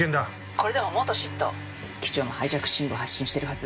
「これでも元ＳＩＴ」機長もハイジャック信号を発信してるはず。